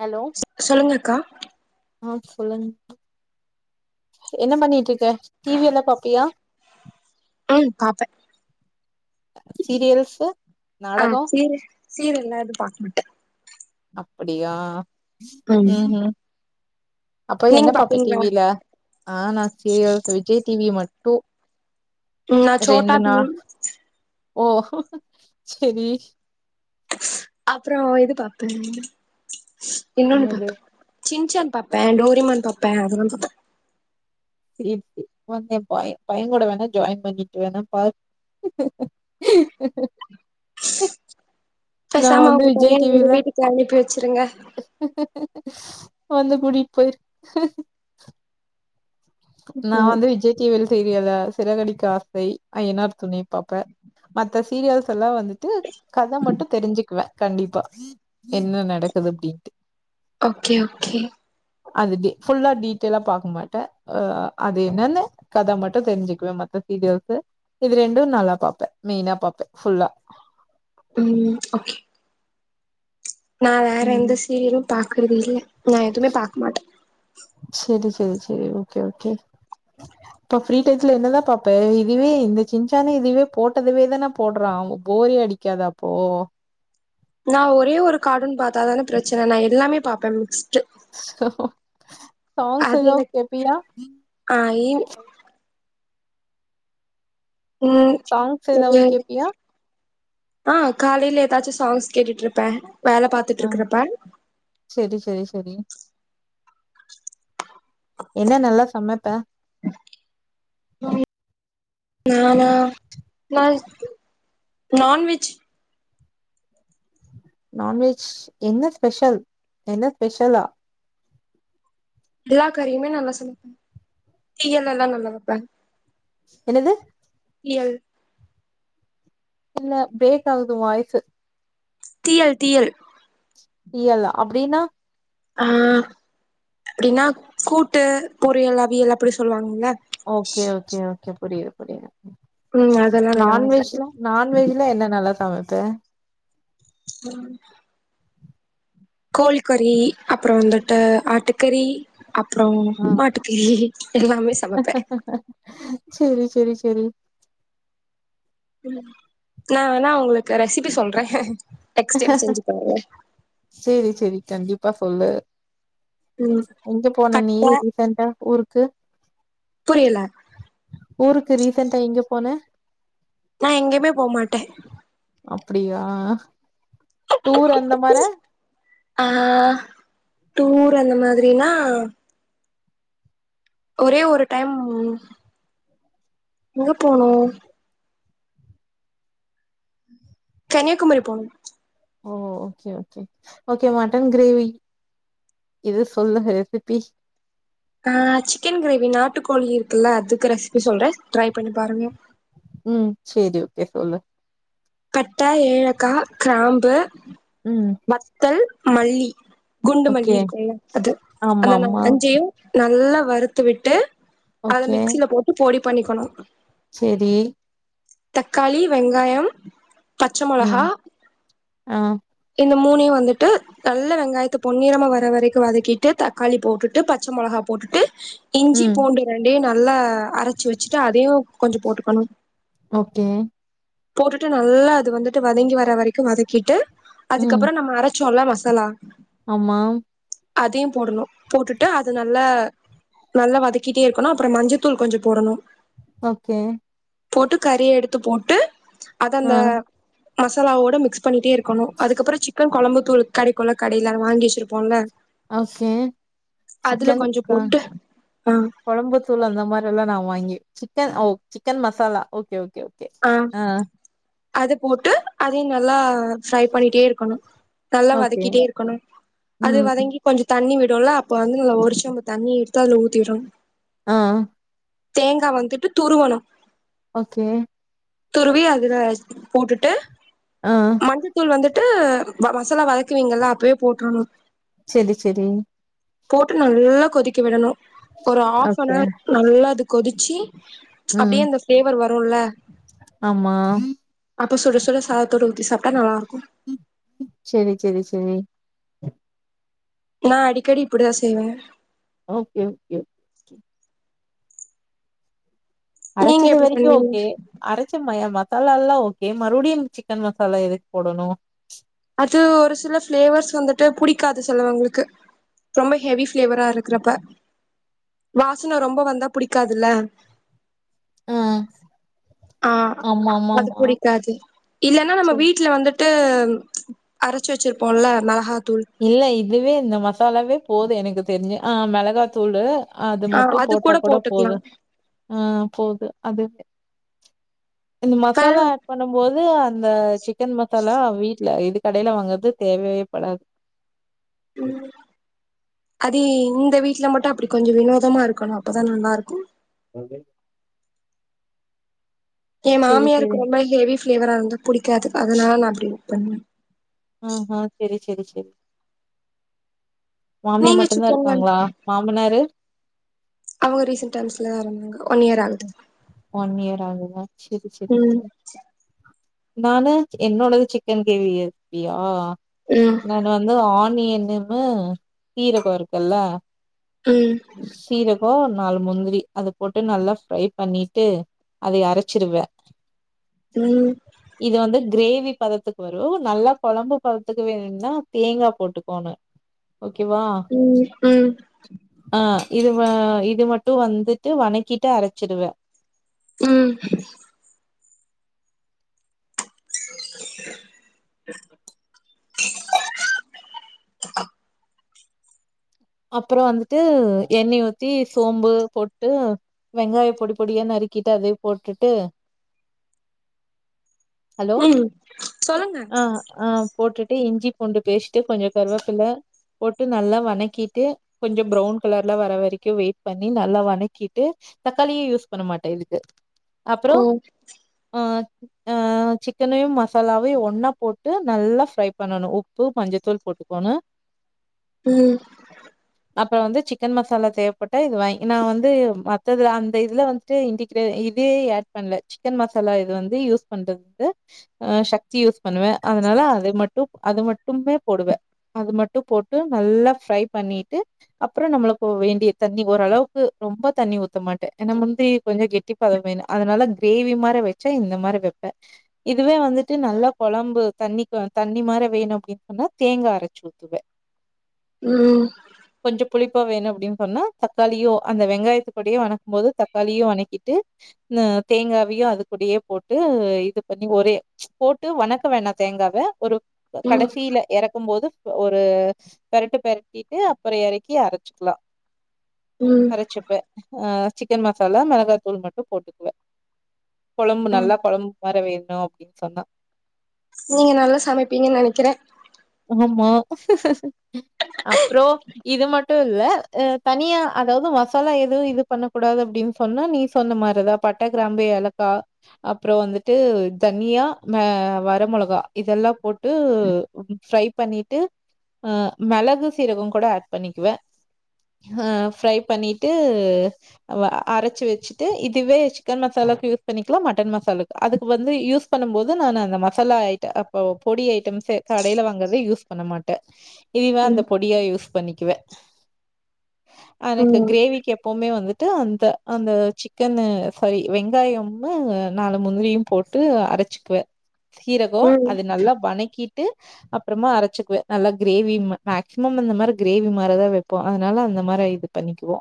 Hello சொல்லுங்கக்கா ஆ சொல்லுங் என்ன பண்ணிட்டு இருக்க டி வி எல்லாம் பாப்பியா ம் பாப்பே சீரியல்ஸு ஆ நாடகோ சீரு சீரியல்லா எது பாக்க மாட்ட அப்படியா ம் ம் அப்போ என்ன நீங்க பாப்ப டி பாப்பீங்களா வில ஆ நா சீரியல் விஜய் டி வி மட்டு ம் நா சோட்டா ரெண்டு நா பீம் ஓ செரி அப்புறோ இது பாப்ப இன்னொன்னு என்னது பாப்ப சின்ச்சான் பாப்பே டோரிமான் பாப்பேன் அதெல்லா பாப்பே செரி செரி வா ஏ பைய பையன் கூட வேணா ஜாயின் பண்ணிட்டு வேணா பா நா பேசாம வந்து உங்க விஜய் பையன எங்க டிவில வீட்டுக்கு அனுப்பி வச்சுருங்க வந்து கூடிட்டு போயிரு நா ம் வந்து விஜய் டிவில் சீரியல்ல சிறகடிக்க ஆசை ஐயனார் துணை பாப்பே மத்த சீரியல்ஸ் எல்லா வந்துட்டு கத மட்டு தெரிஞ்சுக்குவே கண்டிப்பா என்ன நடக்குது அப்டின்ட்டு ஓகே ஓகே அது டீ ஃபுல்லா டீட்டெய்லா பாக்க மாட்டே ஆ அது என்னன்னு கத மட்டு தெரிஞ்சுக்குவே மத்த சீரியல்ஸ் இது ரெண்டு நல்லா பாப்பே மெய்னா பாப்பே ஃபுல்லா ம் ஓகே நா வேற ம் எந்த சீரியலு பாக்குறது இல்ல நா எதுவுமே பாக்க மாட்டே செரி செரி செரி ஓகே ஓகே அப்போ ஃப்ரீ டையத்துல என்னதா பாப்ப இதுவே இந்த சின்ச்சானே இதுவே போட்டதவே தான போடுறா போரே அடிக்காதா ப்போ நா ஒரே ஒரு கார்டுன்னு பாத்தா தானே பிரச்சனை நா எல்லாமே பாப்பே மிக்ஸ்ட்டு சாங்ஸ் எதோ எனக்கு கேப்பியா ஆ இ ம் சாங்ஸ் எதாவது தெரியாது கேப்பியா ஆ காலையில எதாச்சு சாங்ஸ் கேட்டுட்டு இருப்பே வேல பாத்துட்டு இருக்குறப்பே சரி சரி சரி என்ன நல்லா சமைப்பே ம் நானா நான் நான்வெஜ் நான்வெஜ் என்ன ஸ்பெஷல் என்ன ஸ்பெஷலா எல்லா கறியுமே நல்லா சமைப்பே தீயல் எல்லா நல்லா வப்பே என்னது தீயல் இல்ல பிரேக் ஆகுது ஓ வாய்ஸு தீயல் தீயல் தீயல் அப்டின்னா ஆ அப்டின்னா கூட்டு பொரியல் அவியல் அப்டி சொல்லுவாங்கள ஓகே ஓகே ஓகே புரியுது புரியுது ம் அதெல்லா நல்லா வைப்பே நான்வெஜ்ல நான்வெஜ்ல என்ன நல்லா சமைப்பே [unintelligible] கோழிக்கறி அப்புற வந்துட்டு ஆட்டுக்கறி அப்புறோ ம் மாட்டுக்கறி எல்லாமே சமைப்பே செரி செரி செரி நா வேணா உங்களுக்கு ரெசிபி சொல்ற நெக்ஸ்ட் டைம் செஞ்சு பாருங்க செரி செரி கண்டிப்பா சொல்லு ம் எங்க போன நீ கட்ட [unintelligible] ஊருக்கு புரியல ஊருக்கு ரீசென்டா எங்க போனே நா எங்கேயுமே போ மாட்டே அப்டியா டூர் அந்த மாரா ஆ டூர் அந்த மாதிரினா ஒரே ஒரு டைம் எங்க போனோ கன்யாகுமரி போனோ ஓ okay okay okay mutton gravy இது சொல்லுங்க ரெசிபி ஆ சிக்கன் கிரேவி நாட்டுக்கோழி இருக்கில்ல அதுக்கு ரெசிபி சொல்ற ட்ரை பண்ணி பாருங்க ம் சேரி ஓகே சொல்லு பட்ட ஏலக்கா கிராம்பு ம் வத்தல் மல்லி குண்டு மல்லி ஓகே இருக்குல்ல அது அந்த நா ஆமாமா. அஞ்சையு நல்லா வருத்து விட்டு அத ஓகே. மிக்சில போட்டு பொடி பண்ணிக்கணு செரி தக்காளி வெங்காயம் பச்ச மொளகா ம். ஆ. இந்த மூணையு வந்துட்டு நல்ல வெங்காயத்த பொன்னிரமா வர வரைக்கு வதக்கிட்டு தக்காளி போட்டுட்டு பச்ச மொளகா போட்டுட்டு இஞ்சி ம். பூண்டு ரெண்டையு நல்லா அரச்சி வச்சிட்டு அதையு கொஞ்ச போட்டுக்கனு ஓகே டு நல்லா அது வந்துட்டு வதங்கி வர வரைக்கு வதக்கிட்டு ம். அதுக்கப்புற நம்ம அரச்சோல்லா மசாலா ஆமா அதையு போடணு போட்டுட்டு அது நல்லா நல்லா வதக்கிட்டே இருக்கனு அப்றோ மஞ்சத்தூள் கொஞ்சோ போடனு ஓகே போட்டு கறிய எடுத்து போட்டு அத ஆ. அந்த மசாலாவோட மிக்ஸ் பண்ணிட்டே இருக்கனு அதுக்கப்புறோ சிக்கன் கொழம்பு தூளு கடைக்குள்ள கடைய்ல அத வாங்கி வச்சிருப்போல்ல ஓகே. அதுல கொஞ்ச போட்டு ஆ கொழம்புத்தூள் அந்த மாரில்லா நா வாங்கி சிக்கன் ஓ chicken masala okay okay okay. ஆ அது போட்டு அதையு நல்லா ஃப்ரை பண்ணிட்டே இருக்கணு நல்லா ஓகே. வதக்கிட்டே இருக்கணு அது ம். ம். வதங்கி கொஞ்ச தண்ணி விடுல்ல அப்ப வந்து நல்ல ஒரு செம்பு தண்ணி எடுத்து அதுல ஊத்தி விடனு ஆ தேங்கா வந்துட்டு துருவனு ஓகே துருவி அதுல போட்டுட்டு ஆ. மஞ்சத்தூள் வந்துட் டு வ மசாலா வதக்குவீங்கல்ல அப்பயே போட்டுருணு செரி செரி போட்டு நல்லா கொதிக்க விடணு ஒரு ஓகே. ஹாப்னார் நல்லா து கொதிச்சி ம். அப்டியே அந்த ஃப்ளேவர் வருல்ல ஆமா அப்ப சுட சுட சாதத்தோட ஊத்தி சாப்ட்டா நல்லாருக்கு செரி செரி செரி நா அடிக்கடி இப்டிதா செய்வ ஓகே ஓகே நீங்க அரச்சது எப்டி வரைக்கு பண்ணுவீங்க ஓகே அரச்சம மசாலால்லா ஓகே மறுபடியும் சிக்கன் மசாலா எதுக்கு போடணு அது ஒரு சில ப்ளேவர்ஸ் வந்துட்டு புடிக்காது சிலவங்களுக்கு ரொம்ப ஹெவி ப்ளேவரா இருக்குறப்ப வாசன ரொம்ப வந்தா புடிக்காதுல்ல அ ஆ அது புடிக்காது இல்லன்னா நம்ம சரி. வீட்ல வந்துட் ட்டு அரச்சு வச்சிருப்போல்ல மெளகாத்தூள் இல்ல இதுவே இந்த மசாலாவே போது எனக்கு தெரிஞ்சு ஆ மெளகாத்தூளூ அது மட்டு போட்டா கூட போது ஆ போது அதுவே இந்த இப்ப மசாலா பண்ணும்போது அந்த சிக்கன் மசாலா வீட்ல இது கடைல வாங்கறது தேவையேப்படாது ம் அது தி இந்த வீடல மட்டு அப்டி கொஞ்ச வினோதமா இருக்கணு அப்பதா நல்லா இருக்கு ஓகே எ சரி, சரி. மாமியாருக்கு ரொம்ப ஹெவி ப்ளேவரா இருந்தா புடிக்காது அதனால நா அப்டி பண்ணுவ ம் ம் சேரி சேரி சேரி மாமியா நீங்க மட்டுந்தா சிக்கன்ல இருக்காங்களா மாமனாரு அவங்க ரீசன்ட் டைம்ஸ்ல எறந்தாரு ஒன் இயர் ஆகுது ஒன் இயர் ஆகுதா சேரி சேரி ம் சேரி நானு என்னோடது சிக்கன் கேவி ரெசிப்பியா ம் நா வந்து ஆனியன்னுமு சீரகோ இருக்குல்ல ம் சீரகோ நாலு முந்திரி அது போட்டு நல்லா ஃப்ரை பண்ணிட்டு அதை அரச்சிருவ ம் இது வந்து க்ரேவி பதத்துக்கு வரு நல்லா கொழம்பு பதத்துக்கு வேணுன்னா தேங்கா போட்டுக்கோணு ஓகேவா ம் ம் ஆ இது வ இது மட்டு வந்துட்டு வணக்கிட்டு அரச்சிருவ ம் [inaudible] [inaudible] அப்புறோ வந்துட்டு எண்ணெய ஊத்தி சோம்பு போட்டு வெங்காய பொடி பொடியா நறுக்கிட்டு அதயு போட்டுட்டு ஹலோ ம் சொல்லுங்க ஆ ஆ போட்டுட்டு இஞ்சி பூண்டு பேஸ்ட்டு கொஞ்சோ கருவேப்பில்ல போட்டு நல்லா வணக்கி ட்டு கொஞ்சோ ப்ரௌன் கலர்ல வர வரைக்கு வெய்ட் பண்ணி நல்லா வணக்கிட்டு தக்காளியே யூஸ் பண்ண மாட்ட இதுக்கு அப்புறோ ஓ அ அ ஆ சிக்கனையு மசாலாவையு ஒன்னா போட்டு நல்லா ஃப்ரை பண்ணணு உப்பு மஞ்சத்தூள் போட்டுக்கோணு ம் அப்புறோ வந்து சிக்கன் மசாலா தேவப்பட்டா இது வாங்கி நா வந்து மத்ததுல அந்த இதுல வந்து ட்டு இன்டிகிரே இதே அட் பண்ல சிக்கன் மசாலா இது வந்து யூஸ் பண்றதுந்து அ சக்தி யூஸ் பண்ணுவ அதனால அது மட்டு அது மட்டுமே போடுவ அது மட்டு போட்டு நல்லா ஃப்ரை பண்ணிட்டு அப்புறம் நம்மளுக்கு வேண்டிய தண்ணி ஓரளவுக்கு ரொம்ப தண்ணி ஊத்தமாட்ட ஏன்னா முந்திரி கொஞ்சம் கெட்டி பதம் வேணும் அதனால கிரேவி மாரி வைச்சா இந்த மாரி வைப்ப இதுவே வந்துட்டு நல்லா கொழம்பு தண்ணிக்கு தண்ணி மாரி வேணும் அப்படின்னு சொன்னா தேங்கா அரைச்ச ஊத்துவ உம் கொஞ்சம் புளிப்பா வேணும் அப்படின்னு சொன்னா தக்காளியோ அந்த வெங்காயத்து கூடியே வணக்கும் போது தக்காளியு வணக்கிட்டு உ தேங்காவையும் அது கூடயே போட்டு இது பண்ணி ஒரே போட்டு வணக்க வேண்டா தேங்காவ ஒரு ம் ம் கடைசியில எறக்கும் போது ஒரு பெரட்டு பெர டிட்டு அப்புறம் எறக்கி அரைச்சிக்கலாம் உம் அரைச்சிப்ப ஆ சிக்கன் மசாலா மிளகாத்தூள் மட்டும் போட்டுக்குவ கொழம்பு ம் நல்லா கொழம்பு மார வேணும் அப்படின்னு சொன்னா நீங்க நல்லா சமைப்பீங்கன்னு நெனைக்கிற ஆமா அப்புறோ இது மட்டும் இல்ல தனியா அதாவது மசாலா எதுவும் இது பண்ண கூடாது அப்படின் சொன்னா நீ சொன்ன மாரி தா பட்ட கிராம்பு ஏலக்கா அப்புறம் வந்துட்டு தனியா அ வரமிளகா இதெல்லாம் போட்டு ஃப்ரை பண்ணிட்டு அ மிளகு சீரகம் கூட ஆட் பண்ணிக்குவ அ ஃப்ரை பண்ணிட்டு அரைச்சு வச்சிட்டு இதுவே சிக்கன் மசாலாக்கு யூஸ் பண்ணிக்கலாம் மட்டன் மசாலாக்கு அதுக்கு வந்து யூஸ் பண்ணும் போது நானு அந்த மசாலா ஐட்ட பொடி ஐட்டம்ஸ் கடையில வாங் குனத யூஸ் பண்ண மாட்ட இதுவே அந்த ம் பொடியா யூஸ் பண்ணிக்குவ ஆனா எனக் ம் கிரேவிக்கு எப் எப்பவுமே வந்துட்டு அந்த அந்த சிக்கன்ன சாரி வெங்காயம நாலு முந்திரியும் போட்டு ட்டு அரைச்சிக்குவ சீரகம் ம் அது நல்லா வணக்கிட்டு அப் அப்புறமா அரைச்சிக்குவ நல்லா கிரேவி மேக்சிமம் இந்த மாரி கிரேவி மாரிதான் வைப்போ அதனால அந்த மாதிரி இது பண்ணிக்குவோ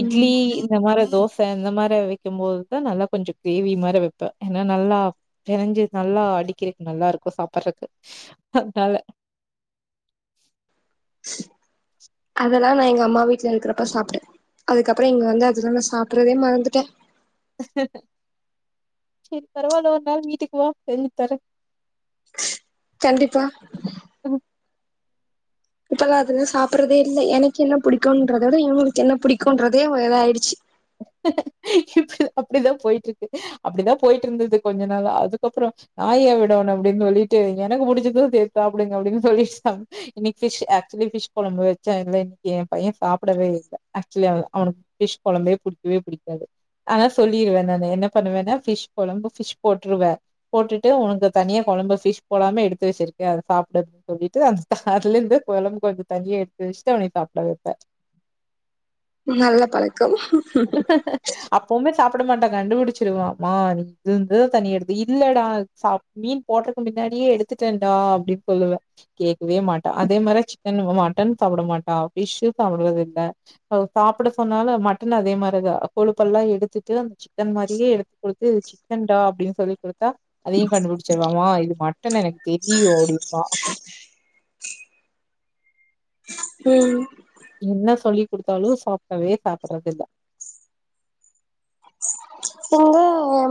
இட்லி ம் இந்த மாரி தோச ச இந்த மாரி வைக்கும்போது தா நல்லா கொஞ்சம் கிரேவி மாரி வைப்ப ஏன்னா நல்லா பிரிஞ்சு நல்லா அடிக்கிறதுக்கு நல்லா இருக்கும் சாப்புட்றக்கு அதனால அதெல்லா நா எங்க அம்மா வீட்ல இருக்குறப்ப சாப்ட்ட அதுக்கப்புறம் இங்க வந்து அதுலா நா சாப்ட்றதே மறந்துட்ட சேரி பரவாயில்ல ஒரு நாள் வீட்டுக்கு வா செஞ்சி தார கண்டிப்பா ம் இப்பல்லாம் அதுல்லா சாப்புட்றதே இல்ல எனக்கு என்ன பிடிக்கும்ன்றத விட இவுங்களுக்கு என்ன பிடிக்கும்ன்றதே ஒ இதாயிடுச்சு இப்ப அப்படிதான் போயிட்டு இருக்கு அப்படிதா போயிட்டு இருந்தது கொஞ்ச நாளா அதுக்கப்புறம் நா ஏன் விடணு அப்டின்னு சொல்லிட்டு எனக்கு புடிச்சதும் சேத்து சாப்டுங்க அப்படின்னு சொல்லிட்டாங்க இன்னைக்கு ஃபிஷ் ஆக்சுவலி ஃபிஷ் கொழம்பு வச்சா இல்ல இன்னைக்கு என் பையன் சாப்டவே இல்ல ஆக்சுவலி அவனுக்கு ஃபிஷ் கொழம்பே பிடிக்கவே பிடிக்காது ஆனா சொல்லிருவ நானு என்ன பண்ணுவேன்னா ஃபிஷ் கொழம்பு ஃபிஷ் போட்டுருவ போட்டுட்டு உனக்கு தனியா கொழம்பு ஃபிஷ் போடாம எடுத்து வச்சிருக்க அத சாப்ட்றது சொல்லிட்டு அந்த தார்ல இருந்து கொழம்பு கொஞ்சம் தனியா எடுத்து வச்சுட்டு அவனையு சாப்ட வைப்ப நல்ல பழக் க்கம் அப் அப்பவுமே சாப்பிட மாட்டான் கண்டுபிடிச்சிருவா மா நீ இதுல இருந்துதான தனியா எடுத்த இல்லடா சாப் மீன் போட்றக்கு முன்னாடியே எடுத்துட்டேன்டா அப்டின்னு சொல்லுவேன் கேக்கவே மாட்டான் அதே மாதிர சிக்கன் மட்டன் சாப்ட மாட்டான் ஃபிஷ்ம் சாப்டுறதுல்ல அவள சாப்ட சொன்னால் மட்டன் அதே மாதிரிதான் கொழுப்பெல்லா எடுத்துட்டு சிக்கன் மாரியே எடுத்து குடுத்து சிக்கன் டா அப்டின்னு சொல்லி் குடுத்தா அதையும் கண்டுபிடிச்சிருவாமா இது மட்டன் எனக்கு தெரியும் அப்டிம்பா உம் என்ன சொல்லி் குடுத்தாலும் சாப்டவே சாப்டடுறது இல்ல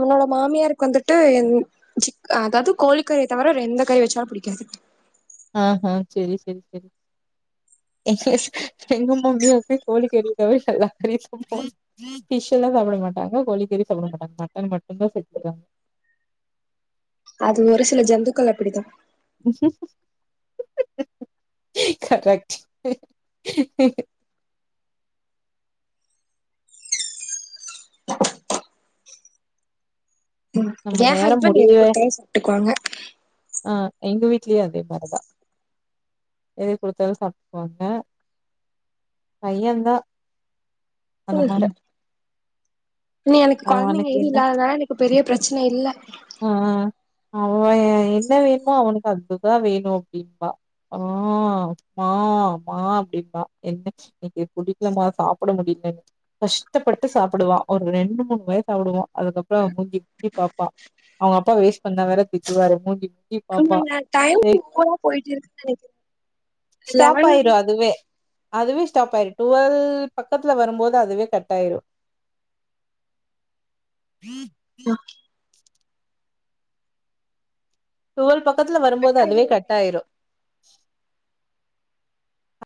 உன்னோட மாமியாருக்கு வந்துட்டு சிக் அதாவது கோழி கறி தவிர எந்த கறி வச்சாலும் பிடிக்காது ஆஹா சேரி சேரி சேரிங்க எங்க மாமியார்க்கு கோழிக்கறி [unintelligible] போ ஃபிஷ் எல்லாம் சாப்ட மாட்டாங்க கோழிக்கறி சாப்ட மாட்டாங்க மட்டன் மட்டுதா செஞ்சுக்காங்க அது ஒரு சில ஜந்துக்கள் அப்டிதா கரெக்ட் நம்ம எ நேரோ ஹஸ்பண்ட் எத முடியவே குடுத்தாலும் சாப்ட்டுக்குவாங்க ஆ எங்க வீட்லயூ அதே மாரிதா எது குடுத்தாலும் சாப்ட்டுகுவாங்க பையன் தா அந்த மார நீ எனக்கு கொழந்தைங்க அவனுக்கு எது என்ன இல்லாதனால எனக்கு பெரிய பிரச்சன இல்ல ஆ அவேன் என்ன வேணுமோ அவனுக்கு அதுதா வேணும் அப்டின்ம்பா ஆ அம்மா அம்மா அப்டிம்பா என்ன இன்னைக்கு புடிக்லமா சாப்ட முடியலன் கஷ்டப்பட்டு சாப்டுவா ஒரு ரெண்டு மூணு வாய் சாப்டுவா அதுக்கப்றோ மூஞ்சி மூஞ்சிய பாப்பா அவுங்க அப்பா வேஸ்ட் பண்ணா வேற திட்டுவாரு மூஞ்சி மூஞ்சி பாப்பா. நம்புங்க டைம் ஏய் ஸ்லோவா போயிட்டு இருக்குன்னு நெனைக்கிறேன் ஸ்டாப் லெவன் ஆயிரு அதுவே. அதுவே ஸ்டாப் ஆயிரும் டுவெல் பக்கத்துல வரும்போது அதுவே கட் ஆயிரும் [inaudible] அ டுவல் பக்கத்துல வரும்போது அதுவே கட் ஆயிரும்